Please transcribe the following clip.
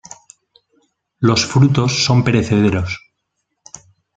Los frutos son perecederos.